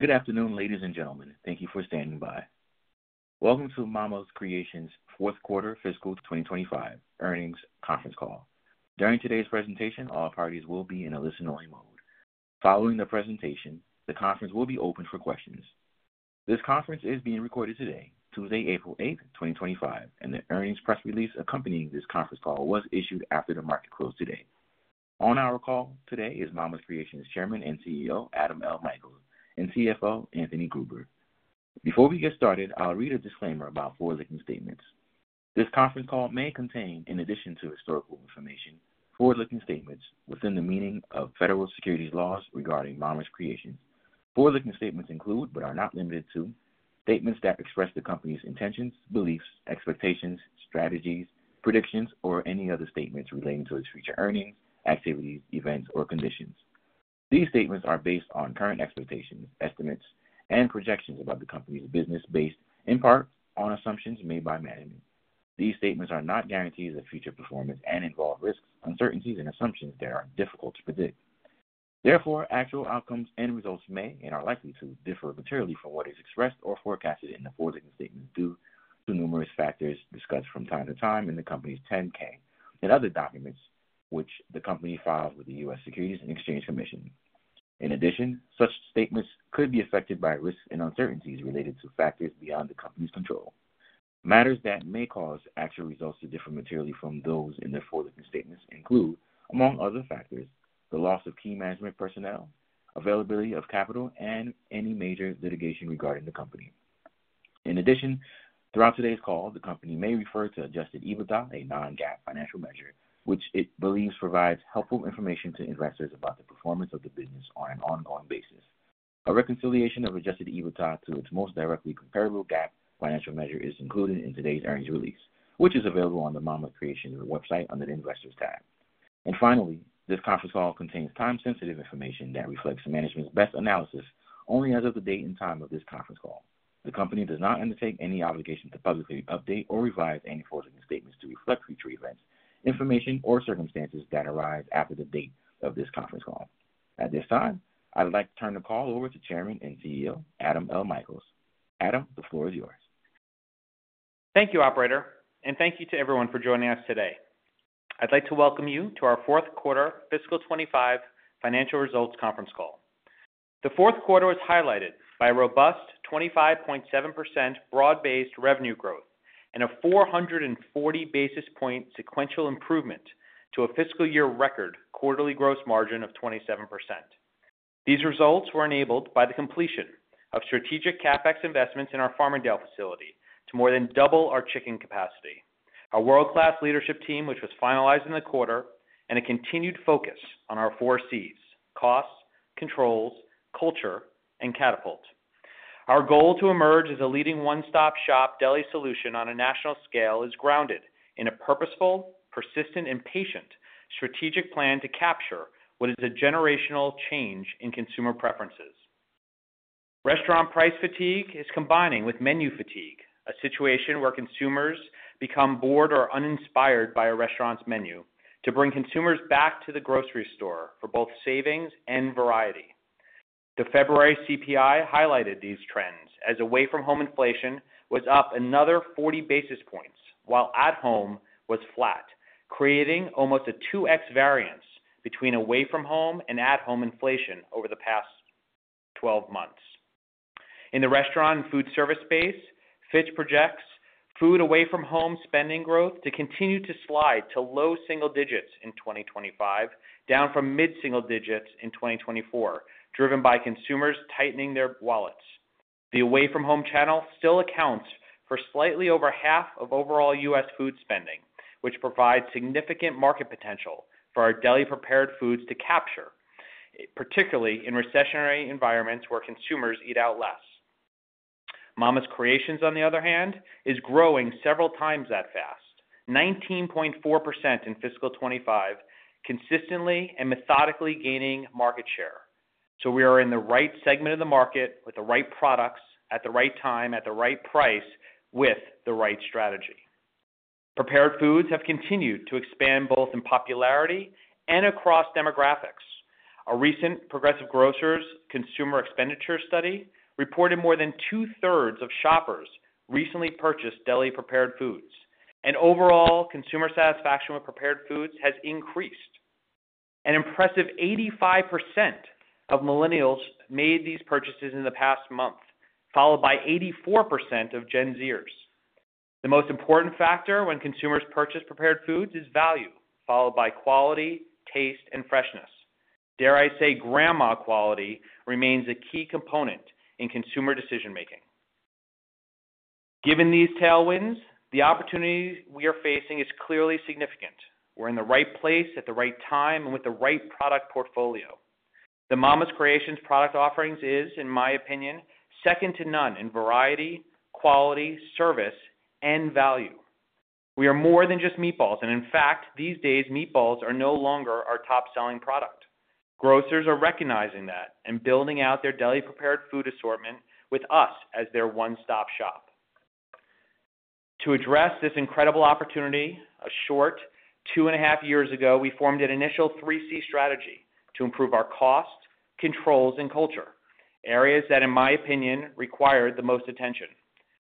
Good afternoon, ladies and gentlemen. Thank you for standing by. Welcome to Mama's Creations' fourth quarter fiscal 2025 earnings conference call. During today's presentation, all parties will be in a listen-only mode. Following the presentation, the conference will be open for questions. This conference is being recorded today, Tuesday, April 8th, 2025, and the earnings press release accompanying this conference call was issued after the market closed today. On our call today is Mama's Creations Chairman and CEO, Adam L. Michaels, and CFO, Anthony Gruber. Before we get started, I'll read a disclaimer about forward-looking statements. This conference call may contain, in addition to historical information, forward-looking statements within the meaning of federal securities laws regarding Mama's Creations. Forward-looking statements include, but are not limited to, statements that express the company's intentions, beliefs, expectations, strategies, predictions, or any other statements relating to its future earnings, activities, events, or conditions. These statements are based on current expectations, estimates, and projections about the company's business based, in part, on assumptions made by management. These statements are not guarantees of future performance and involve risks, uncertainties, and assumptions that are difficult to predict. Therefore, actual outcomes and results may, and are likely to, differ materially from what is expressed or forecasted in the forward-looking statements due to numerous factors discussed from time to time in the company's 10-K and other documents which the company files with the U.S. Securities and Exchange Commission. In addition, such statements could be affected by risks and uncertainties related to factors beyond the company's control. Matters that may cause actual results to differ materially from those in the forward-looking statements include, among other factors, the loss of key management personnel, availability of capital, and any major litigation regarding the company. In addition, throughout today's call, the company may refer to adjusted EBITDA, a non-GAAP financial measure, which it believes provides helpful information to investors about the performance of the business on an ongoing basis. A reconciliation of adjusted EBITDA to its most directly comparable GAAP financial measure is included in today's earnings release, which is available on the Mama's Creations website under the investors tab. Finally, this conference call contains time-sensitive information that reflects management's best analysis only as of the date and time of this conference call. The company does not undertake any obligation to publicly update or revise any forward-looking statements to reflect future events, information, or circumstances that arise after the date of this conference call. At this time, I'd like to turn the call over to Chairman and CEO, Adam L. Michaels. Adam, the floor is yours. Thank you, Operator, and thank you to everyone for joining us today. I'd like to welcome you to our fourth quarter fiscal 2025 financial results conference call. The fourth quarter is highlighted by robust 25.7% broad-based revenue growth and a 440 basis point sequential improvement to a fiscal year record quarterly gross margin of 27%. These results were enabled by the completion of strategic CapEx investments in our Farmingdale facility to more than double our chicken capacity. Our world-class leadership team, which was finalized in the quarter, and a continued focus on our four Cs, Cost, Controls, Culture, and Catapult. Our goal to emerge as a leading one-stop shop deli solution on a national scale is grounded in a purposeful, persistent, and patient strategic plan to capture what is a generational change in consumer preferences. Restaurant price fatigue is combining with menu fatigue, a situation where consumers become bored or uninspired by a restaurant's menu to bring consumers back to the grocery store for both savings and variety. The February CPI highlighted these trends as away-from-home inflation was up another 40 basis points while at-home was flat, creating almost a 2x variance between away-from-home and at-home inflation over the past 12 months. In the restaurant and food service space, Fitch projects food away-from-home spending growth to continue to slide to low single digits in 2025, down from mid-single digits in 2024, driven by consumers tightening their wallets. The away-from-home channel still accounts for slightly over half of overall U.S. food spending, which provides significant market potential for our deli-prepared foods to capture, particularly in recessionary environments where consumers eat out less. Mama's Creations, on the other hand, is growing several times that fast, 19.4% in fiscal 2025, consistently and methodically gaining market share. We are in the right segment of the market with the right products at the right time at the right price with the right strategy. Prepared foods have continued to expand both in popularity and across demographics. A recent Progressive Grocer consumer expenditure study reported more than two-thirds of shoppers recently purchased deli-prepared foods, and overall consumer satisfaction with prepared foods has increased. An impressive 85% of millennials made these purchases in the past month, followed by 84% of Gen Zers. The most important factor when consumers purchase prepared foods is value, followed by quality, taste, and freshness. Dare I say, grandma quality remains a key component in consumer decision-making. Given these tailwinds, the opportunity we are facing is clearly significant. We're in the right place at the right time and with the right product portfolio. The Mama's Creations product offerings is, in my opinion, second to none in variety, quality, service, and value. We are more than just meatballs, and in fact, these days, meatballs are no longer our top-selling product. Grocers are recognizing that and building out their deli-prepared food assortment with us as their one-stop shop. To address this incredible opportunity, a short two and a half years ago, we formed an initial three C strategy to improve our Cost, Controls, and Culture, areas that, in my opinion, required the most attention.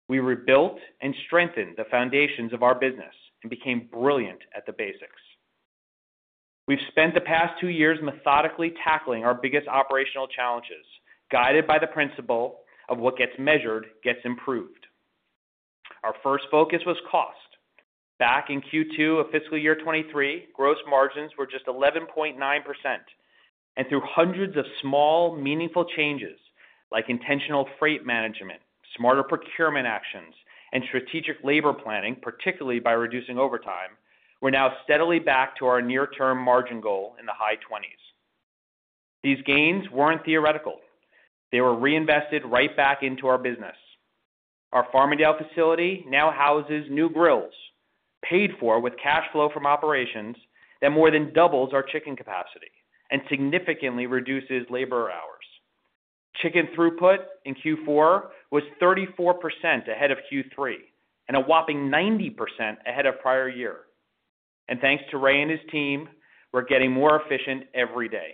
We rebuilt and strengthened the foundations of our business and became brilliant at the basics. We've spent the past two years methodically tackling our biggest operational challenges, guided by the principle of what gets measured gets improved. Our first focus was Cost. Back in Q2 of fiscal year 2023, gross margins were just 11.9%. Through hundreds of small, meaningful changes like intentional freight management, smarter procurement actions, and strategic labor planning, particularly by reducing overtime, we're now steadily back to our near-term margin goal in the high 20s. These gains were not theoretical. They were reinvested right back into our business. Our Farmingdale facility now houses new grills, paid for with cash flow from operations that more than doubles our chicken capacity and significantly reduces labor hours. Chicken throughput in Q4 was 34% ahead of Q3 and a whopping 90% ahead of prior year. Thanks to Ray and his team, we're getting more efficient every day.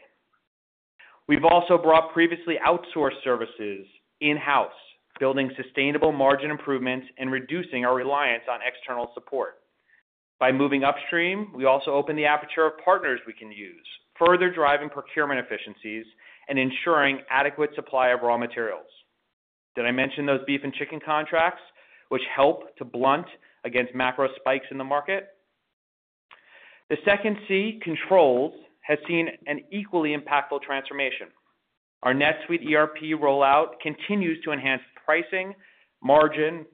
We've also brought previously outsourced services in-house, building sustainable margin improvements and reducing our reliance on external support. By moving upstream, we also opened the aperture of partners we can use, further driving procurement efficiencies and ensuring adequate supply of raw materials. Did I mention those beef and chicken contracts, which help to blunt against macro spikes in the market? The second C, Controls, has seen an equally impactful transformation. Our NetSuite ERP rollout continues to enhance pricing, margin,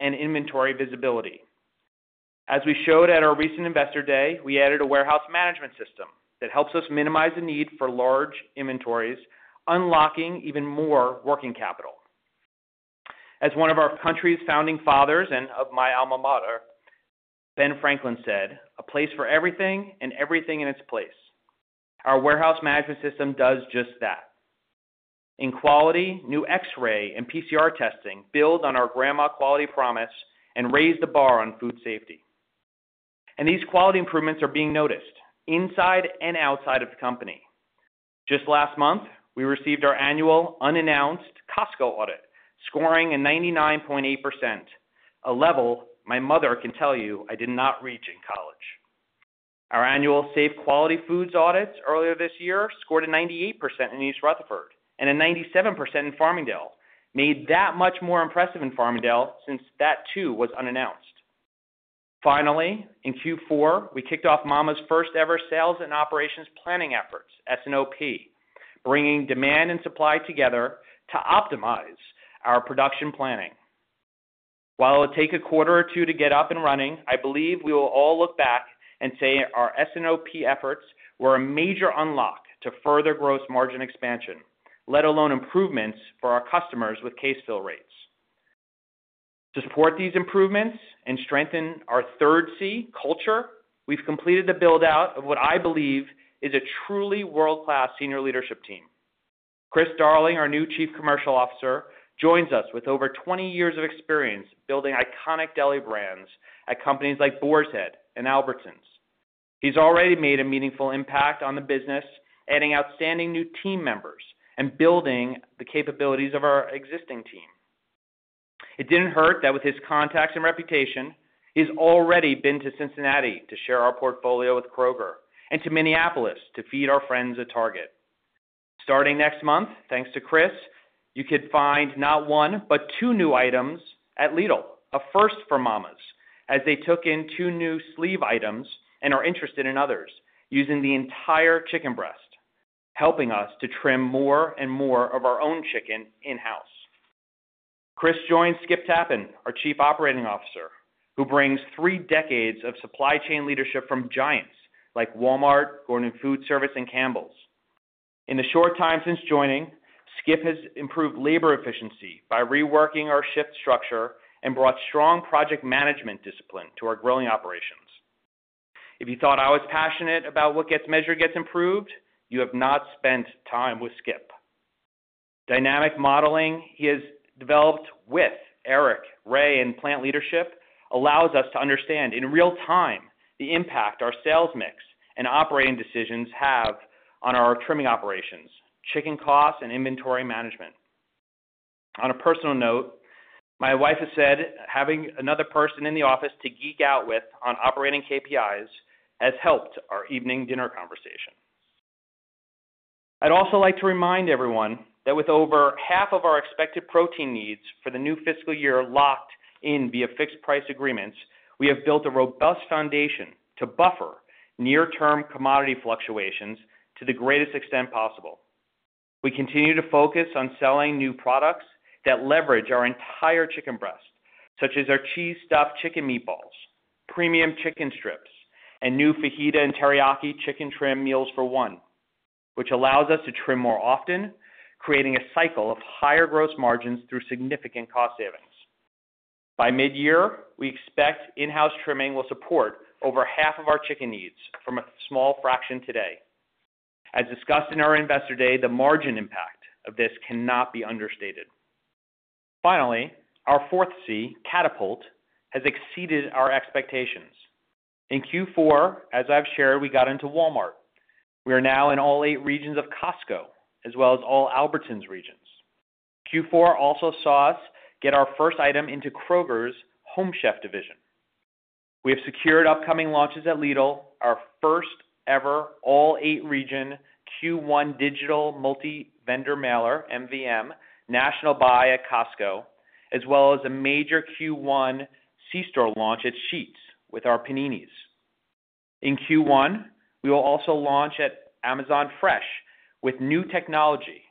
and inventory visibility. As we showed at our recent investor day, we added a warehouse management system that helps us minimize the need for large inventories, unlocking even more working capital. As one of our country's founding fathers and of my alma mater, Ben Franklin said, "A place for everything and everything in its place." Our warehouse management system does just that. In quality, new X-ray and PCR testing build on our grandma quality promise and raise the bar on food safety. These quality improvements are being noticed inside and outside of the company. Just last month, we received our annual unannounced Costco audit, scoring a 99.8%, a level my mother can tell you I did not reach in college. Our annual Safe Quality Foods audits earlier this year scored a 98% in East Rutherford and a 97% in Farmingdale, made that much more impressive in Farmingdale since that too was unannounced. Finally, in Q4, we kicked off Mama's first-ever sales and operations planning efforts, S&OP, bringing demand and supply together to optimize our production planning. While it'll take a quarter or two to get up and running, I believe we will all look back and say our S&OP efforts were a major unlock to further gross margin expansion, let alone improvements for our customers with case fill rates. To support these improvements and strengthen our third C, Culture, we've completed the build-out of what I believe is a truly world-class senior leadership team. Chris Darling, our new Chief Commercial Officer, joins us with over 20 years of experience building iconic deli brands at companies like Boar's Head and Albertsons. He's already made a meaningful impact on the business, adding outstanding new team members and building the capabilities of our existing team. It didn't hurt that with his contacts and reputation, he's already been to Cincinnati to share our portfolio with Kroger and to Minneapolis to feed our friends at Target. Starting next month, thanks to Chris, you could find not one but two new items at Lidl, a first for Mama's as they took in two new sleeve items and are interested in others using the entire chicken breast, helping us to trim more and more of our own chicken in-house. Chris joined Skip Tappan, our Chief Operating Officer, who brings three decades of supply chain leadership from giants like Walmart, Gordon Food Service, and Campbell's. In the short time since joining, Skip has improved labor efficiency by reworking our shift structure and brought strong project management discipline to our growing operations. If you thought I was passionate about what gets measured gets improved, you have not spent time with Skip. Dynamic modeling he has developed with Eric, Ray, and plant leadership allows us to understand in real time the impact our sales mix and operating decisions have on our trimming operations, chicken costs, and inventory management. On a personal note, my wife has said having another person in the office to geek out with on operating KPIs has helped our evening dinner conversation. I'd also like to remind everyone that with over half of our expected protein needs for the new fiscal year locked in via fixed price agreements, we have built a robust foundation to buffer near-term commodity fluctuations to the greatest extent possible. We continue to focus on selling new products that leverage our entire chicken breast, such as our cheese-stuffed chicken meatballs, premium chicken strips, and new fajita and teriyaki chicken trim meals for one, which allows us to trim more often, creating a cycle of higher gross margins through significant cost savings. By mid-year, we expect in-house trimming will support over half of our chicken needs from a small fraction today. As discussed in our investor day, the margin impact of this cannot be understated. Finally, our fourth C, Catapult, has exceeded our expectations. In Q4, as I've shared, we got into Walmart. We are now in all eight regions of Costco as well as all Albertsons regions. Q4 also saw us get our first item into Kroger's Home Chef division. We have secured upcoming launches at Lidl, our first ever all-eight region Q1 digital Multi-Vendor Mailer, MVM, national buy at Costco, as well as a major Q1 C-store launch at Sheetz with our paninis. In Q1, we will also launch at Amazon Fresh with new technology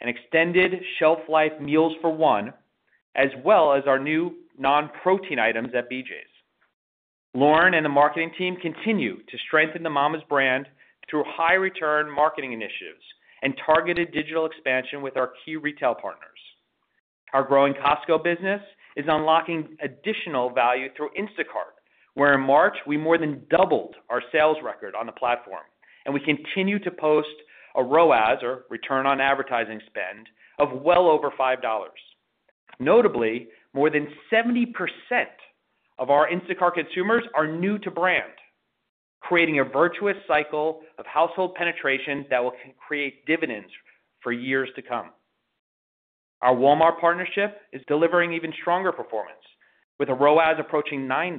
and extended shelf life meals for one, as well as our new non-protein items at BJ's. Lauren and the marketing team continue to strengthen the Mama's brand through high-return marketing initiatives and targeted digital expansion with our key retail partners. Our growing Costco business is unlocking additional value through Instacart, where in March, we more than doubled our sales record on the platform, and we continue to post a ROAS, or return on advertising spend, of well over $5. Notably, more than 70% of our Instacart consumers are new to brand, creating a virtuous cycle of household penetration that will create dividends for years to come. Our Walmart partnership is delivering even stronger performance with a ROAS approaching $9.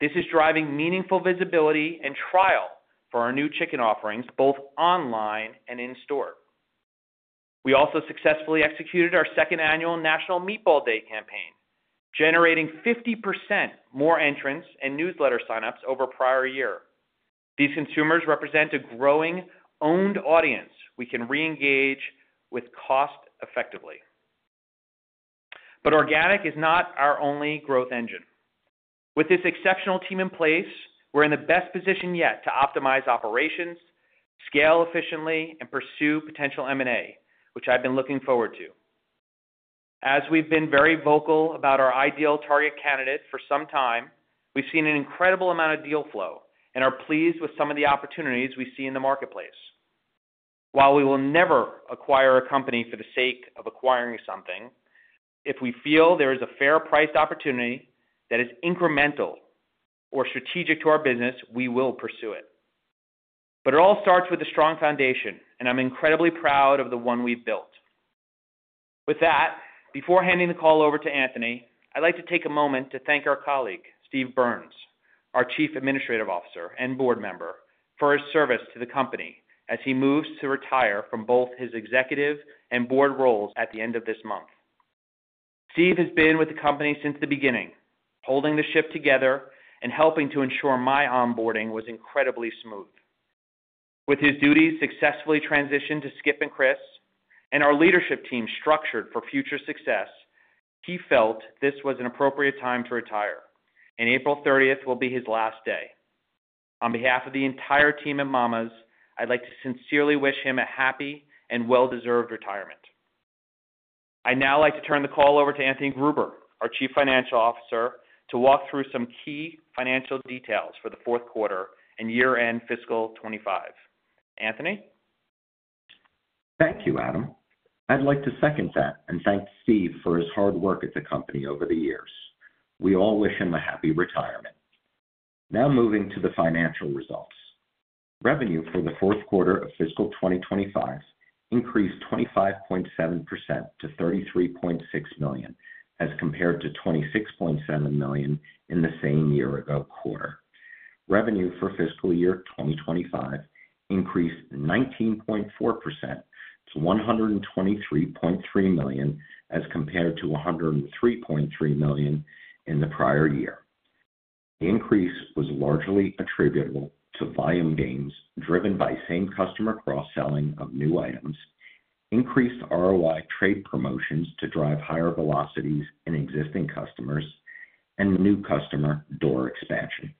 This is driving meaningful visibility and trial for our new chicken offerings both online and in store. We also successfully executed our second annual National Meatball Day campaign, generating 50% more entrants and newsletter sign-ups over prior year. These consumers represent a growing owned audience we can reengage with cost-effectively. Organic is not our only growth engine. With this exceptional team in place, we're in the best position yet to optimize operations, scale efficiently, and pursue potential M&A, which I've been looking forward to. As we've been very vocal about our ideal target candidate for some time, we've seen an incredible amount of deal flow and are pleased with some of the opportunities we see in the marketplace. While we will never acquire a company for the sake of acquiring something, if we feel there is a fair-priced opportunity that is incremental or strategic to our business, we will pursue it. It all starts with a strong foundation, and I'm incredibly proud of the one we've built. With that, before handing the call over to Anthony, I'd like to take a moment to thank our colleague, Steve Burns, our Chief Administrative Officer and board member, for his service to the company as he moves to retire from both his executive and board roles at the end of this month. Steve has been with the company since the beginning, holding the ship together and helping to ensure my onboarding was incredibly smooth. With his duties successfully transitioned to Skip and Chris and our leadership team structured for future success, he felt this was an appropriate time to retire, and April 30th will be his last day. On behalf of the entire team at Mama's, I'd like to sincerely wish him a happy and well-deserved retirement. I'd now like to turn the call over to Anthony Gruber, our Chief Financial Officer, to walk through some key financial details for the fourth quarter and year-end fiscal 2025. Anthony? Thank you, Adam. I'd like to second that and thank Steve for his hard work at the company over the years. We all wish him a happy retirement. Now moving to the financial results. Revenue for the fourth quarter of fiscal 2025 increased 25.7% to $33.6 million as compared to $26.7 million in the same year-ago quarter. Revenue for fiscal year 2025 increased 19.4% to $123.3 million as compared to $103.3 million in the prior year. The increase was largely attributable to volume gains driven by same-customer cross-selling of new items, increased ROI trade promotions to drive higher velocities in existing customers, and new customer door expansion.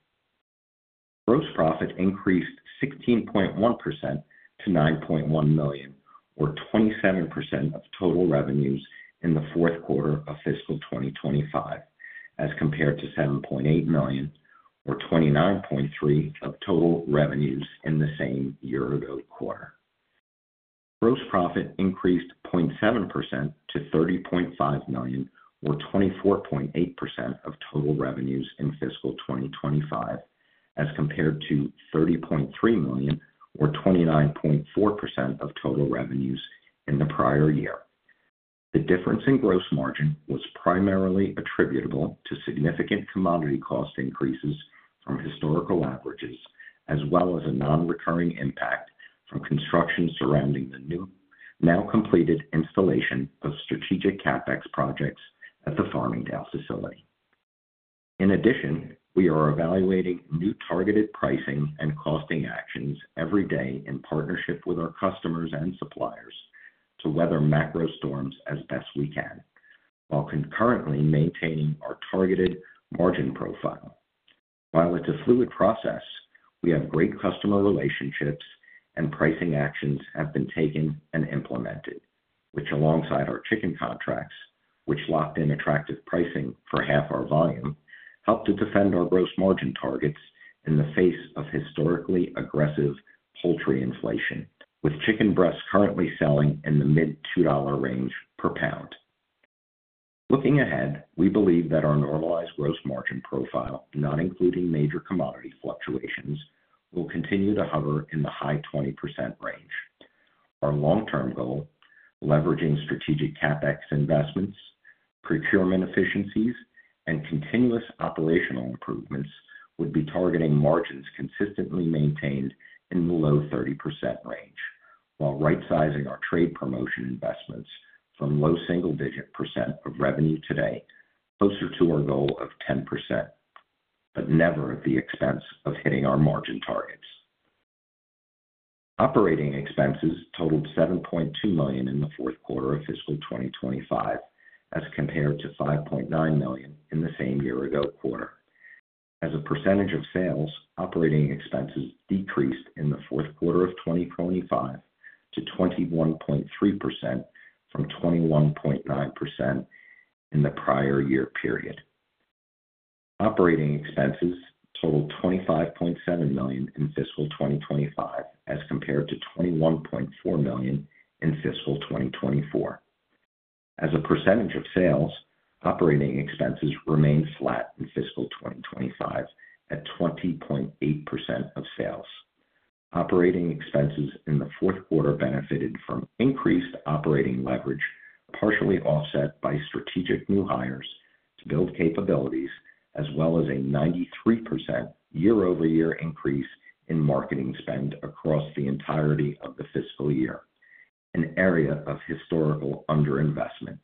Gross profit increased 16.1% to $9.1 million, or 27% of total revenues in the fourth quarter of fiscal 2025 as compared to $7.8 million, or 29.3% of total revenues in the same year-ago quarter. Gross profit increased 0.7% to $30.5 million, or 24.8% of total revenues in fiscal 2025 as compared to $30.3 million, or 29.4% of total revenues in the prior year. The difference in gross margin was primarily attributable to significant commodity cost increases from historical averages as well as a non-recurring impact from construction surrounding the new, now completed installation of strategic CapEx projects at the Farmingdale facility. In addition, we are evaluating new targeted pricing and costing actions every day in partnership with our customers and suppliers to weather macro storms as best we can while concurrently maintaining our targeted margin profile. While it's a fluid process, we have great customer relationships and pricing actions have been taken and implemented, which alongside our chicken contracts, which locked in attractive pricing for half our volume, helped to defend our gross margin targets in the face of historically aggressive poultry inflation, with chicken breasts currently selling in the mid-$2 range per pound. Looking ahead, we believe that our normalized gross margin profile, not including major commodity fluctuations, will continue to hover in the high 20% range. Our long-term goal, leveraging strategic CapEx investments, procurement efficiencies, and continuous operational improvements, would be targeting margins consistently maintained in the low 30% range while right-sizing our trade promotion investments from low single-digit % of revenue today closer to our goal of 10%, but never at the expense of hitting our margin targets. Operating expenses totaled $7.2 million in the fourth quarter of fiscal 2025 as compared to $5.9 million in the same year-ago quarter. As a percentage of sales, operating expenses decreased in the fourth quarter of 2025 to 21.3% from 21.9% in the prior year period. Operating expenses totaled $25.7 million in fiscal 2025 as compared to $21.4 million in fiscal 2024. As a percentage of sales, operating expenses remained flat in fiscal 2025 at 20.8% of sales. Operating expenses in the fourth quarter benefited from increased operating leverage, partially offset by strategic new hires to build capabilities, as well as a 93% year-over-year increase in marketing spend across the entirety of the fiscal year, an area of historical underinvestment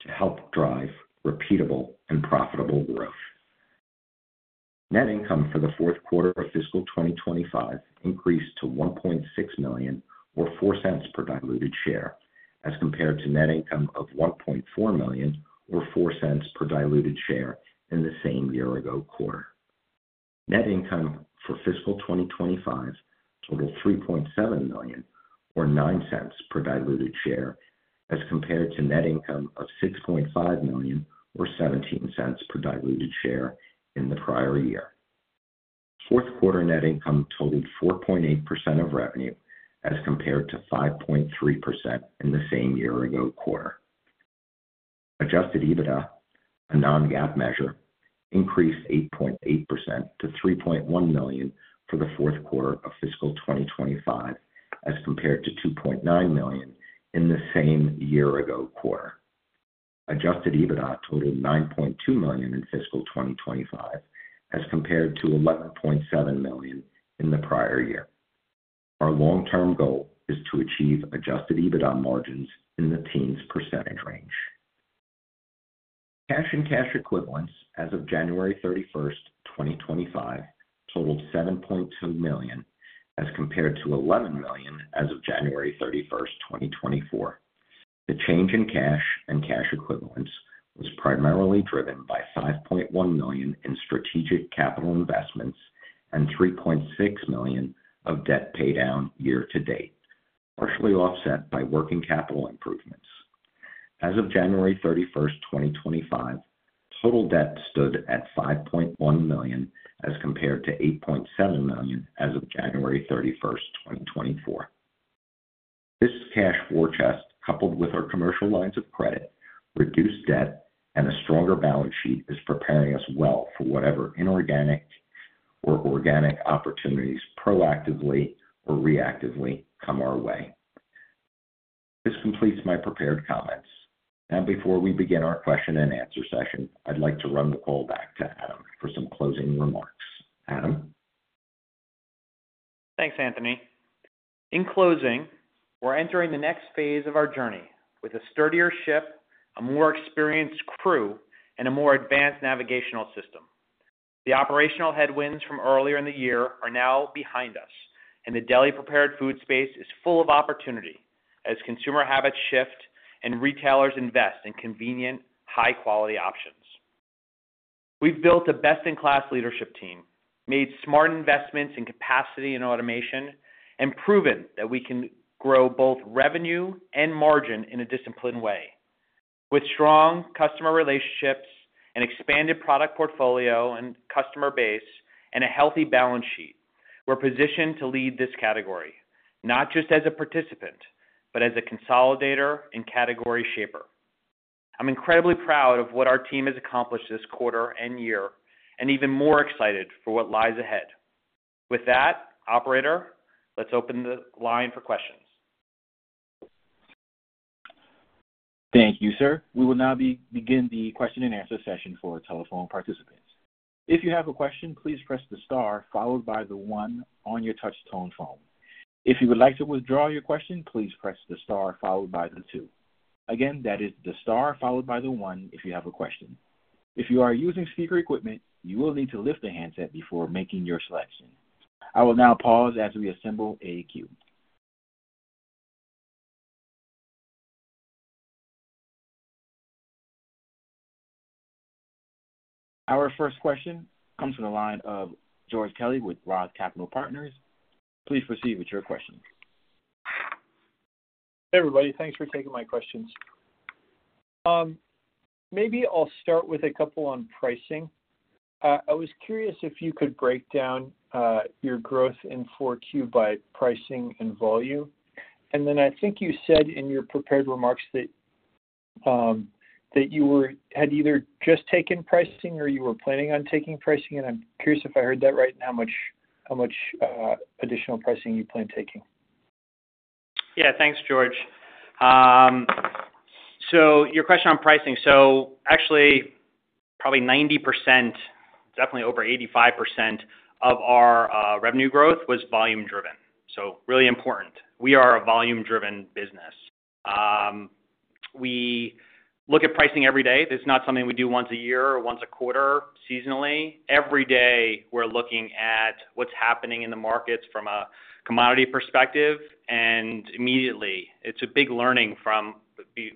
to help drive repeatable and profitable growth. Net income for the fourth quarter of fiscal 2025 increased to $1.6 million, or $0.04 per diluted share, as compared to net income of $1.4 million, or $0.04 per diluted share in the same year-ago quarter. Net income for fiscal 2025 totaled $3.7 million, or $0.09 per diluted share, as compared to net income of $6.5 million, or $0.17 per diluted share in the prior year. Fourth quarter net income totaled 4.8% of revenue as compared to 5.3% in the same year-ago quarter. Adjusted EBITDA, a non-GAAP measure, increased 8.8% to $3.1 million for the fourth quarter of fiscal 2025 as compared to $2.9 million in the same year-ago quarter. Adjusted EBITDA totaled $9.2 million in fiscal 2025 as compared to $11.7 million in the prior year. Our long-term goal is to achieve adjusted EBITDA margins in the teens percentage range. Cash and cash equivalents as of January 31, 2025 totaled $7.2 million as compared to $11 million as of January 31, 2024. The change in cash and cash equivalents was primarily driven by $5.1 million in strategic capital investments and $3.6 million of debt paydown year-to-date, partially offset by working capital improvements. As of January 31, 2025, total debt stood at $5.1 million as compared to $8.7 million as of January 31, 2024. This cash war chest, coupled with our commercial lines of credit, reduced debt, and a stronger balance sheet is preparing us well for whatever inorganic or organic opportunities proactively or reactively come our way. This completes my prepared comments. Now, before we begin our question-and-answer session, I'd like to run the call back to Adam for some closing remarks. Adam? Thanks, Anthony. In closing, we're entering the next phase of our journey with a sturdier ship, a more experienced crew, and a more advanced navigational system. The operational headwinds from earlier in the year are now behind us, and the deli-prepared food space is full of opportunity as consumer habits shift and retailers invest in convenient, high-quality options. We've built a best-in-class leadership team, made smart investments in capacity and automation, and proven that we can grow both revenue and margin in a disciplined way. With strong customer relationships and expanded product portfolio and customer base and a healthy balance sheet, we're positioned to lead this category, not just as a participant, but as a consolidator and category shaper. I'm incredibly proud of what our team has accomplished this quarter and year, and even more excited for what lies ahead. With that, Operator, let's open the line for questions. Thank you, sir. We will now begin the question-and-answer session for telephone participants. If you have a question, please press the star followed by the one on your touch-tone phone. If you would like to withdraw your question, please press the star followed by the two. Again, that is the star followed by the one if you have a question. If you are using speaker equipment, you will need to lift the handset before making your selection. I will now pause as we assemble a queue. Our first question comes from the line of George Kelly with Roth Capital Partners. Please proceed with your question. Hey, everybody. Thanks for taking my questions. Maybe I'll start with a couple on pricing. I was curious if you could break down your growth in Q4 by pricing and volume. And then I think you said in your prepared remarks that you had either just taken pricing or you were planning on taking pricing. I'm curious if I heard that right and how much additional pricing you plan on taking. Yeah. Thanks, George. Your question on pricing, actually probably 90%, definitely over 85% of our revenue growth was volume-driven. Really important. We are a volume-driven business. We look at pricing every day. It's not something we do once a year or once a quarter, seasonally. Every day, we're looking at what's happening in the markets from a commodity perspective. Immediately, it's a big learning from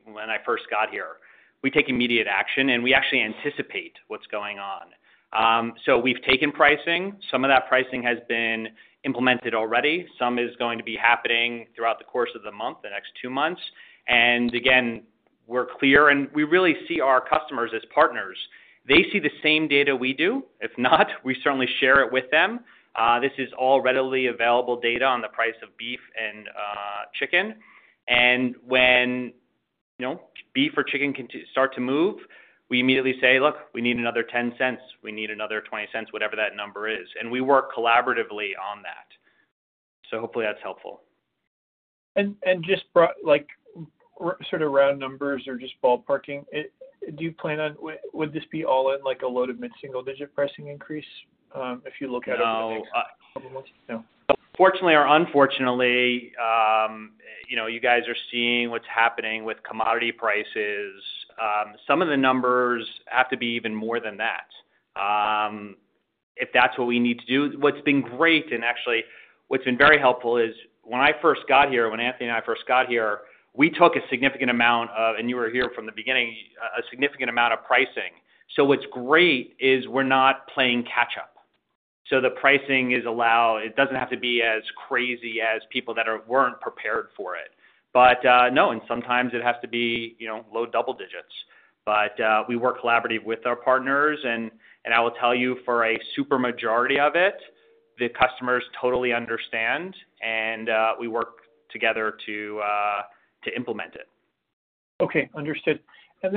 when I first got here. We take immediate action, and we actually anticipate what's going on. We have taken pricing. Some of that pricing has been implemented already. Some is going to be happening throughout the course of the month, the next two months. Again, we're clear, and we really see our customers as partners. They see the same data we do. If not, we certainly share it with them. This is all readily available data on the price of beef and chicken. When beef or chicken start to move, we immediately say, "Look, we need another 10 cents. We need another 20 cents," whatever that number is. We work collaboratively on that. Hopefully, that's helpful. Just sort of round numbers or just ballparking, do you plan on would this be all in a load of mid-single-digit pricing increase if you look at it in the next couple of months? No. Fortunately or unfortunately, you guys are seeing what's happening with commodity prices. Some of the numbers have to be even more than that if that's what we need to do. What's been great and actually what's been very helpful is when I first got here, when Anthony and I first got here, we took a significant amount of, and you were here from the beginning, a significant amount of pricing. What's great is we're not playing catch-up. The pricing is allowed. It doesn't have to be as crazy as people that weren't prepared for it. No, and sometimes it has to be low double digits. We work collaboratively with our partners. I will tell you, for a super majority of it, the customers totally understand, and we work together to implement it. Okay. Understood.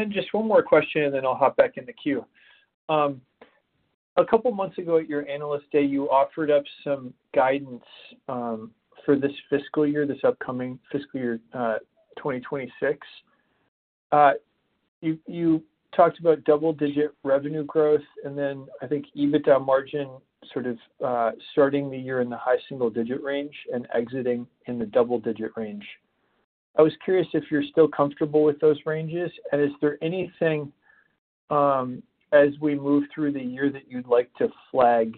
Just one more question, and then I'll hop back in the queue. A couple of months ago at your analyst day, you offered up some guidance for this fiscal year, this upcoming fiscal year 2026. You talked about double-digit revenue growth, and then I think EBITDA margin sort of starting the year in the high single-digit range and exiting in the double-digit range. I was curious if you're still comfortable with those ranges. Is there anything as we move through the year that you'd like to flag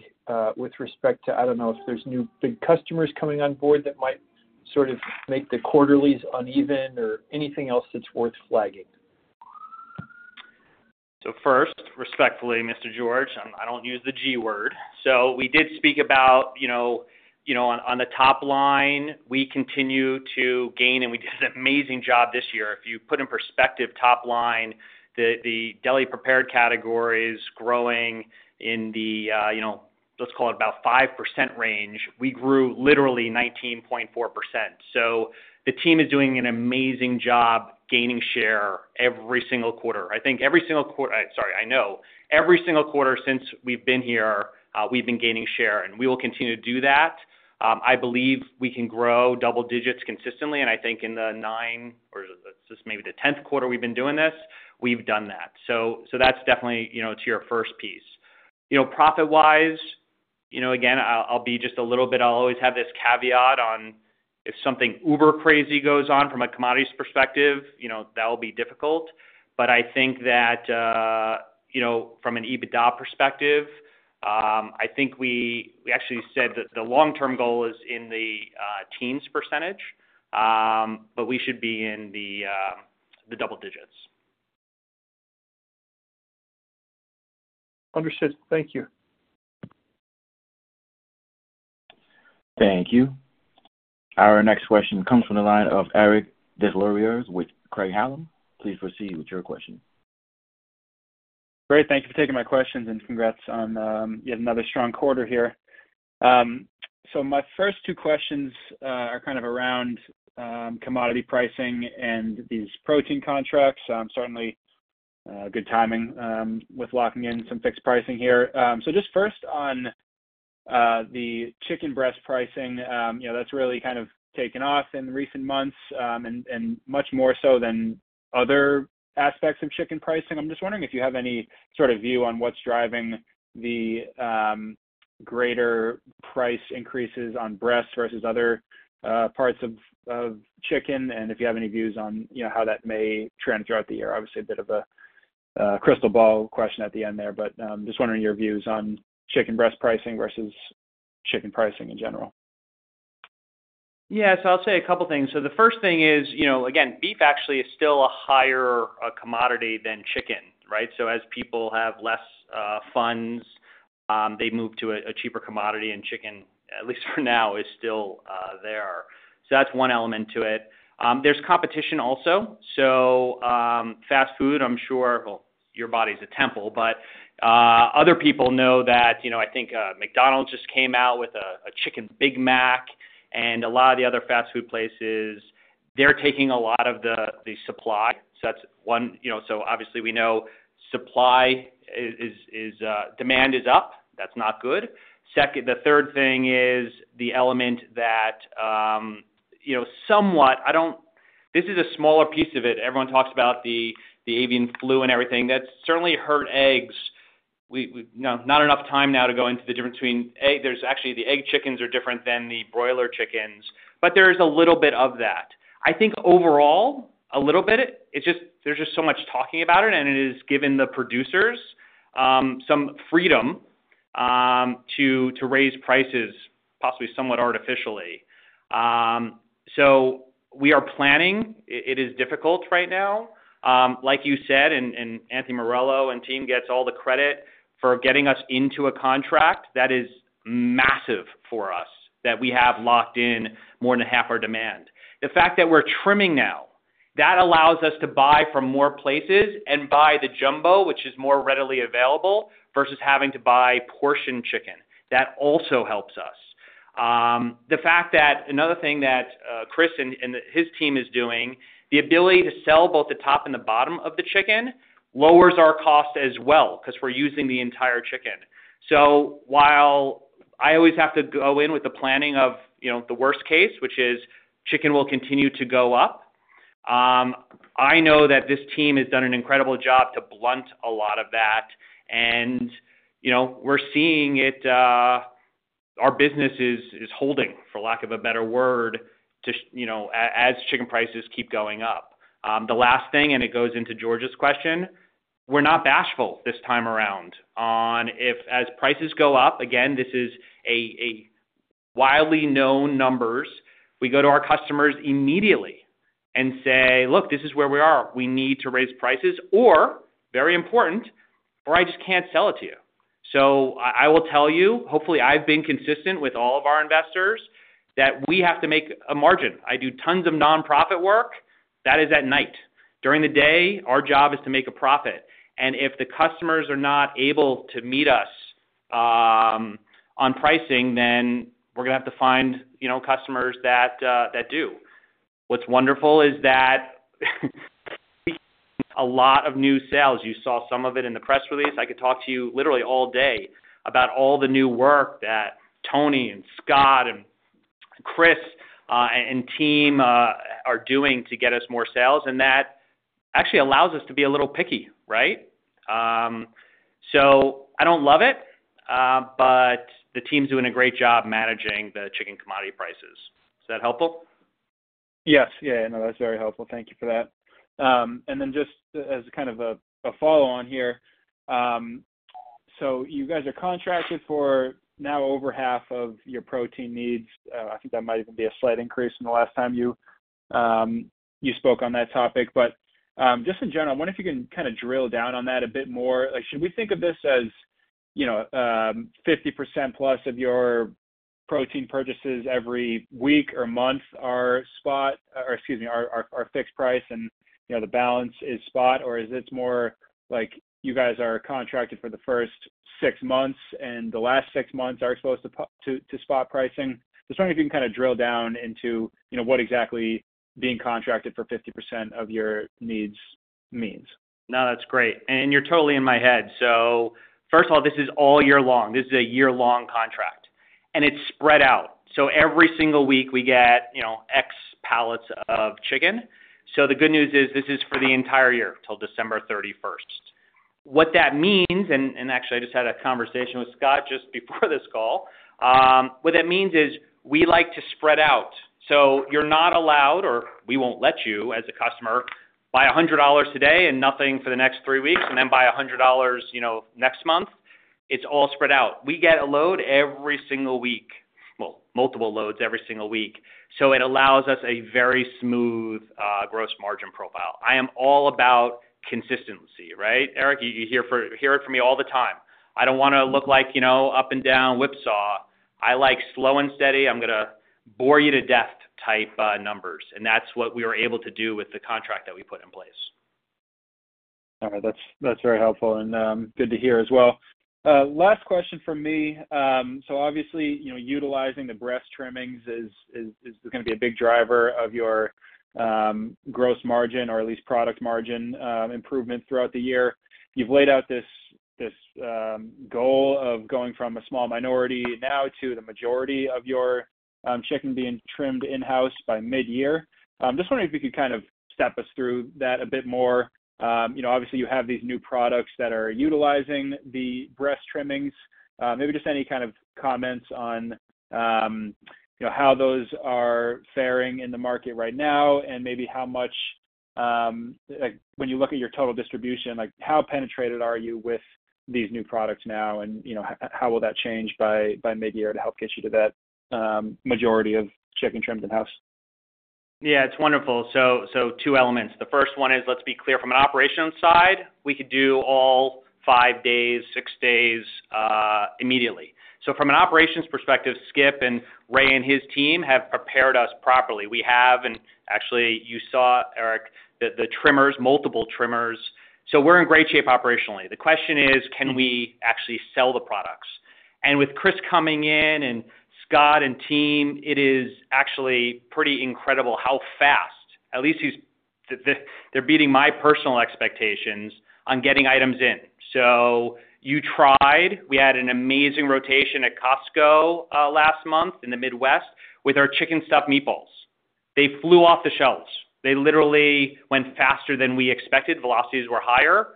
with respect to, I don't know if there's new big customers coming on board that might sort of make the quarterlies uneven or anything else that's worth flagging? First, respectfully, Mr. George, I don't use the G word. We did speak about on the top line, we continue to gain, and we did an amazing job this year. If you put in perspective, top line, the deli-prepared category is growing in the, let's call it, about 5% range. We grew literally 19.4%. The team is doing an amazing job gaining share every single quarter. I think every single quarter, sorry, I know, every single quarter since we've been here, we've been gaining share, and we will continue to do that. I believe we can grow double digits consistently. I think in the ninth or maybe the tenth quarter we've been doing this, we've done that. That's definitely to your first piece. Profit-wise, again, I'll be just a little bit, I'll always have this caveat on if something uber crazy goes on from a commodities perspective, that will be difficult. But I think that from an EBITDA perspective, I think we actually said that the long-term goal is in the teens percentage, but we should be in the double digits. Understood. Thank you. Thank you. Our next question comes from the line of Eric Des Lauriers with Craig-Hallum. Please proceed with your question. Great. Thank you for taking my questions, and congrats on yet another strong quarter here. My first two questions are kind of around commodity pricing and these protein contracts. Certainly, good timing with locking in some fixed pricing here. Just first on the chicken breast pricing, that's really kind of taken off in recent months and much more so than other aspects of chicken pricing. I'm just wondering if you have any sort of view on what's driving the greater price increases on breasts versus other parts of chicken, and if you have any views on how that may trend throughout the year. Obviously, a bit of a crystal ball question at the end there, but just wondering your views on chicken breast pricing versus chicken pricing in general. Yeah. I'll say a couple of things. The first thing is, again, beef actually is still a higher commodity than chicken, right? As people have less funds, they move to a cheaper commodity, and chicken, at least for now, is still there. That's one element to it. There's competition also. Fast food, I'm sure, your body's a temple, but other people know that I think McDonald's just came out with a Chicken Big Mac, and a lot of the other fast food places, they're taking a lot of the supply. That's one. Obviously, we know supply is demand is up. That's not good. The third thing is the element that somewhat this is a smaller piece of it. Everyone talks about the avian flu and everything. That's certainly hurt eggs. Not enough time now to go into the difference between eggs. Actually, the egg chickens are different than the broiler chickens, but there is a little bit of that. I think overall, a little bit. There's just so much talking about it, and it has given the producers some freedom to raise prices possibly somewhat artificially. We are planning. It is difficult right now. Like you said, and Anthony Gruber and team gets all the credit for getting us into a contract. That is massive for us that we have locked in more than half our demand. The fact that we're trimming now, that allows us to buy from more places and buy the jumbo, which is more readily available versus having to buy portion chicken. That also helps us. The fact that another thing that Chris and his team is doing, the ability to sell both the top and the bottom of the chicken lowers our cost as well because we're using the entire chicken. Like I always have to go in with the planning of the worst case, which is chicken will continue to go up, I know that this team has done an incredible job to blunt a lot of that. We are seeing our business is holding, for lack of a better word, as chicken prices keep going up. The last thing, and it goes into George's question, we are not bashful this time around on if as prices go up, again, this is widely known numbers, we go to our customers immediately and say, "Look, this is where we are. We need to raise prices," or, very important, "Or I just cannot sell it to you." I will tell you, hopefully, I have been consistent with all of our investors that we have to make a margin. I do tons of nonprofit work. That is at night. During the day, our job is to make a profit. If the customers are not able to meet us on pricing, then we are going to have to find customers that do. What is wonderful is that we have a lot of new sales. You saw some of it in the press release. I could talk to you literally all day about all the new work that Tony and Scott and Chris and team are doing to get us more sales. That actually allows us to be a little picky, right? I do not love it, but the team's doing a great job managing the chicken commodity prices. Is that helpful? Yes. Yeah. No, that's very helpful. Thank you for that. Just as kind of a follow-on here, you guys are contracted for now over half of your protein needs. I think that might even be a slight increase from the last time you spoke on that topic. Just in general, I wonder if you can kind of drill down on that a bit more. Should we think of this as 50% plus of your protein purchases every week or month are spot or, excuse me, are fixed price and the balance is spot? Or is it more like you guys are contracted for the first six months, and the last six months are exposed to spot pricing? Just wondering if you can kind of drill down into what exactly being contracted for 50% of your needs means. No, that's great. And you're totally in my head. First of all, this is all year long. This is a year-long contract, and it's spread out. Every single week, we get X pallets of chicken. The good news is this is for the entire year till December 31. What that means, and actually, I just had a conversation with Scott just before this call, what that means is we like to spread out. You're not allowed, or we won't let you as a customer, buy $100 today and nothing for the next three weeks, and then buy $100 next month. It's all spread out. We get a load every single week, multiple loads every single week. It allows us a very smooth gross margin profile. I am all about consistency, right? Eric, you hear it from me all the time. I don't want to look like up-and-down whipsaw. I like slow and steady. I'm going to bore you to death type numbers. That's what we were able to do with the contract that we put in place. All right. That's very helpful and good to hear as well. Last question for me. Obviously, utilizing the breast trimmings is going to be a big driver of your gross margin or at least product margin improvement throughout the year. You've laid out this goal of going from a small minority now to the majority of your chicken being trimmed in-house by mid-year. I'm just wondering if you could kind of step us through that a bit more. Obviously, you have these new products that are utilizing the breast trimmings. Maybe just any kind of comments on how those are faring in the market right now and maybe how much when you look at your total distribution, how penetrated are you with these new products now, and how will that change by mid-year to help get you to that majority of chicken trimmed in-house? Yeah. It's wonderful. Two elements. The first one is, let's be clear from an operations side. We could do all five days, six days immediately. From an operations perspective, Skip and Ray and his team have prepared us properly. We have, and actually, you saw, Eric, the trimmers, multiple trimmers. We are in great shape operationally. The question is, can we actually sell the products? With Chris coming in and Scott and team, it is actually pretty incredible how fast, at least they're beating my personal expectations on getting items in. You tried. We had an amazing rotation at Costco last month in the Midwest with our cheese-stuffed chicken meatballs. They flew off the shelves. They literally went faster than we expected. Velocities were higher,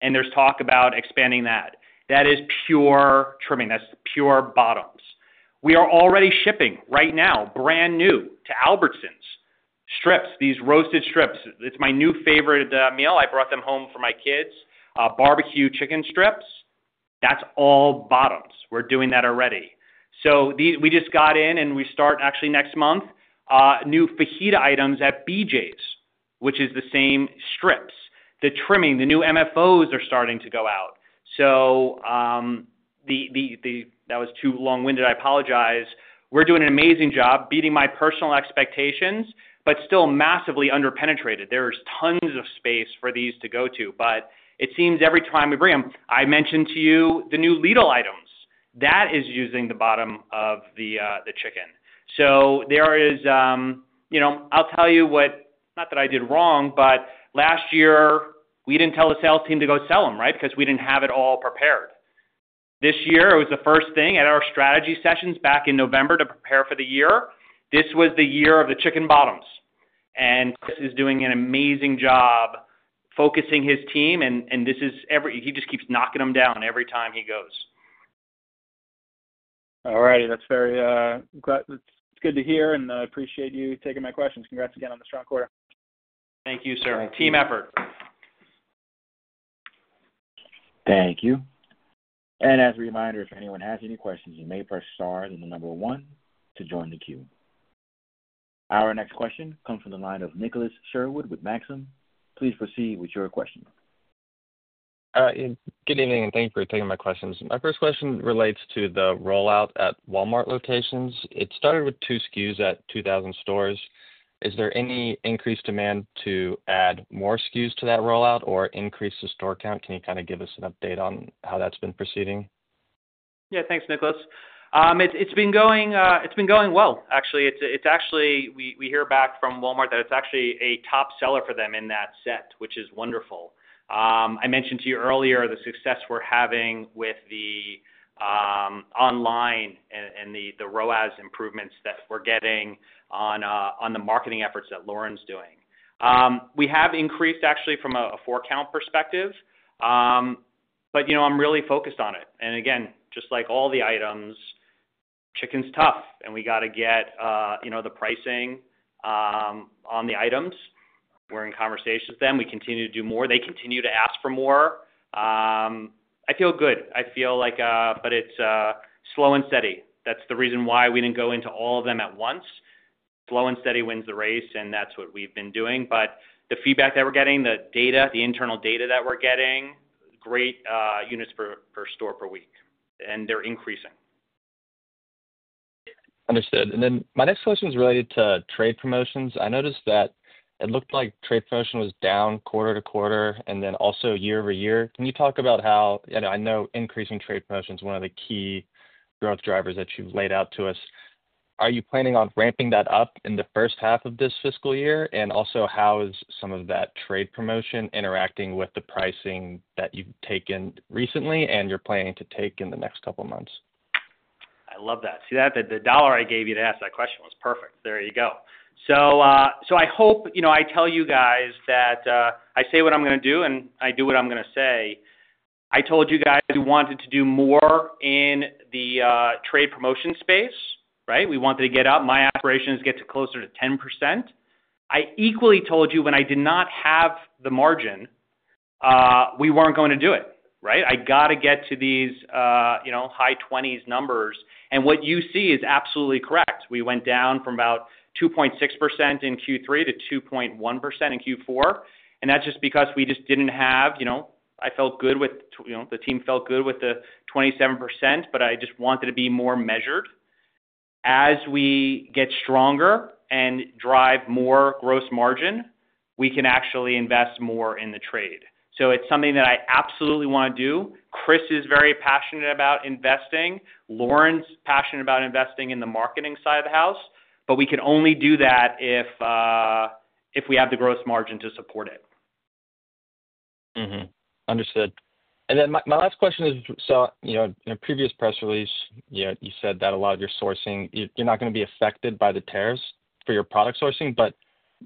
and there is talk about expanding that. That is pure trimming. That is pure bottoms. We are already shipping right now brand new to Albertsons strips, these roasted strips. It is my new favorite meal. I brought them home for my kids. Barbecue chicken strips. That is all bottoms. We are doing that already. We just got in, and we start actually next month new fajita items at BJ's, which is the same strips. The trimming, the new MFOs are starting to go out. That was too long-winded. I apologize. We're doing an amazing job beating my personal expectations, but still massively underpenetrated. There's tons of space for these to go to, but it seems every time we bring them, I mentioned to you the new Lidl items. That is using the bottom of the chicken. There is, I'll tell you what, not that I did wrong, but last year, we didn't tell the sales team to go sell them, right, because we didn't have it all prepared. This year, it was the first thing at our strategy sessions back in November to prepare for the year. This was the year of the chicken bottoms. Chris is doing an amazing job focusing his team, and he just keeps knocking them down every time he goes. All righty. That's good to hear, and I appreciate you taking my questions. Congrats again on the strong quarter. Thank you, sir. Team effort. Thank you. As a reminder, if anyone has any questions, you may press star and the number one to join the queue. Our next question comes from the line of Nicholas Sherwood with Maxim. Please proceed with your question. Good evening, and thank you for taking my questions. My first question relates to the rollout at Walmart locations. It started with two SKUs at 2,000 stores. Is there any increased demand to add more SKUs to that rollout or increase the store count? Can you kind of give us an update on how that's been proceeding? Yeah. Thanks, Nicholas. It's been going well, actually. We hear back from Walmart that it's actually a top seller for them in that set, which is wonderful. I mentioned to you earlier the success we're having with the online and the ROAS improvements that we're getting on the marketing efforts that Lauren's doing. We have increased actually from a forecount perspective, but I'm really focused on it. Again, just like all the items, chicken's tough, and we got to get the pricing on the items. We're in conversations with them. We continue to do more. They continue to ask for more. I feel good. I feel like it's slow and steady. That's the reason why we didn't go into all of them at once. Slow and steady wins the race, and that's what we've been doing. The feedback that we're getting, the data, the internal data that we're getting, great units per store per week, and they're increasing. Understood. My next question is related to trade promotions. I noticed that it looked like trade promotion was down quarter to quarter and also year over year. Can you talk about how I know increasing trade promotion is one of the key growth drivers that you've laid out to us. Are you planning on ramping that up in the first half of this fiscal year? Also, how is some of that trade promotion interacting with the pricing that you've taken recently and you're planning to take in the next couple of months? I love that. See that? The dollar I gave you to ask that question was perfect. There you go. I hope I tell you guys that I say what I'm going to do, and I do what I'm going to say. I told you guys we wanted to do more in the trade promotion space, right? We wanted to get up. My aspiration is to get closer to 10%. I equally told you when I did not have the margin, we were not going to do it, right? I got to get to these high 20s numbers. What you see is absolutely correct. We went down from about 2.6% in Q3 to 2.1% in Q4. That is just because we just did not have, I felt good with, the team felt good with the 27%, but I just wanted to be more measured. As we get stronger and drive more gross margin, we can actually invest more in the trade. It is something that I absolutely want to do. Chris is very passionate about investing. Lauren's passionate about investing in the marketing side of the house, but we can only do that if we have the gross margin to support it. Understood. My last question is, so in a previous press release, you said that a lot of your sourcing, you're not going to be affected by the tariffs for your product sourcing, but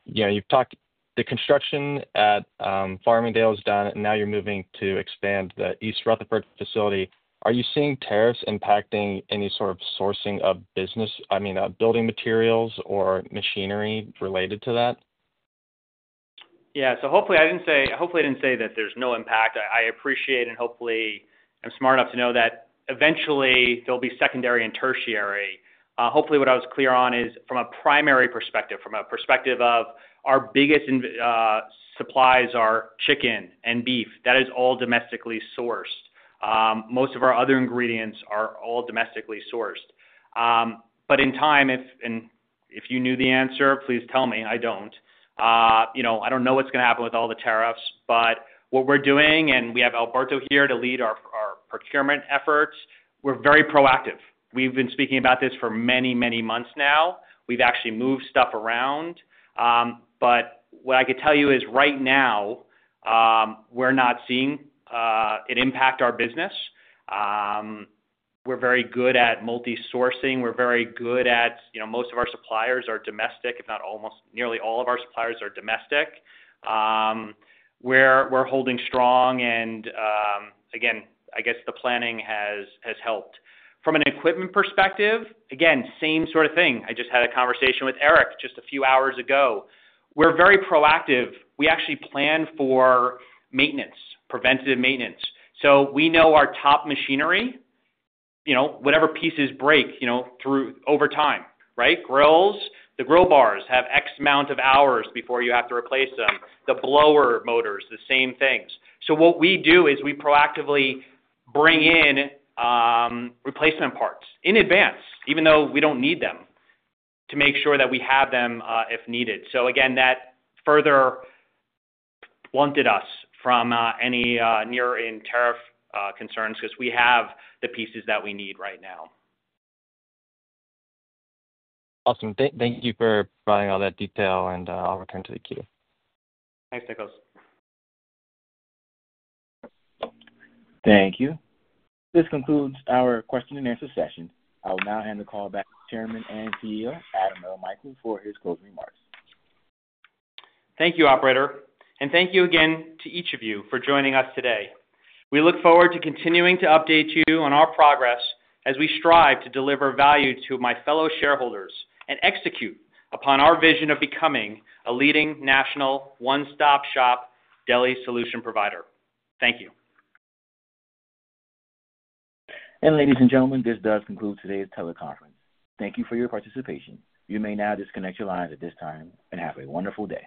you've talked the construction at Farmingdale is done, and now you're moving to expand the East Rutherford facility. Are you seeing tariffs impacting any sort of sourcing of business, I mean, building materials or machinery related to that? Yeah. Hopefully, I didn't say that there's no impact. I appreciate and hopefully, I'm smart enough to know that eventually, there'll be secondary and tertiary. Hopefully, what I was clear on is from a primary perspective, from a perspective of our biggest supplies are chicken and beef. That is all domestically sourced. Most of our other ingredients are all domestically sourced. In time, if you knew the answer, please tell me. I don't. I don't know what's going to happen with all the tariffs, but what we're doing, and we have Alberto here to lead our procurement efforts, we're very proactive. We've been speaking about this for many, many months now. We've actually moved stuff around. What I could tell you is right now, we're not seeing it impact our business. We're very good at multi-sourcing. We're very good at most of our suppliers are domestic, if not almost nearly all of our suppliers are domestic. We're holding strong. I guess the planning has helped. From an equipment perspective, again, same sort of thing. I just had a conversation with Eric just a few hours ago. We're very proactive. We actually plan for maintenance, preventative maintenance. We know our top machinery, whatever pieces break over time, right? Grills, the grill bars have X amount of hours before you have to replace them. The blower motors, the same things. What we do is we proactively bring in replacement parts in advance, even though we don't need them, to make sure that we have them if needed. That further blunted us from any near-in tariff concerns because we have the pieces that we need right now. Awesome. Thank you for providing all that detail, and I'll return to the queue. Thanks, Nicholas. Thank you. This concludes our question-and-answer session. I will now hand the call back to Chairman and CEO, Adam L. Michaels, for his closing remarks. Thank you, Operator. Thank you again to each of you for joining us today. We look forward to continuing to update you on our progress as we strive to deliver value to my fellow shareholders and execute upon our vision of becoming a leading national one-stop-shop deli solution provider. Thank you. Ladies and gentlemen, this does conclude today's teleconference. Thank you for your participation. You may now disconnect your lines at this time and have a wonderful day.